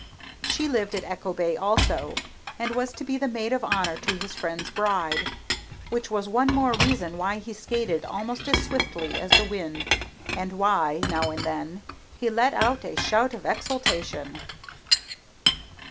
She lived at Echo Bay also, and was to be the maid of honor to his friend's bride which was one more reason why he skated almost as swiftly as the wind, and why, now and then, he let out a shout of exultation.